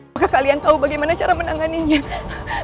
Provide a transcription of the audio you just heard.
bagaimana cara menangani masalah ini